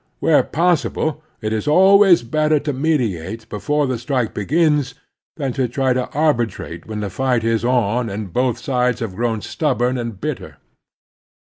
Where possible it is always better to mediate before the strike begins than to try to arbitrate when the fight The Labor Question 293 is on and both sides have grown stubborn and bitter.